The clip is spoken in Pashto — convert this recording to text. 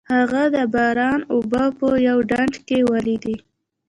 هغه د باران اوبه په یوه ډنډ کې ولیدې.